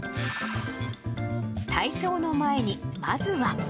体操の前に、まずは。